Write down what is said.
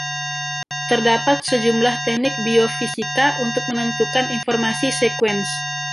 Terdapat sejumlah teknik biofisika untuk menentukan informasi sekuens.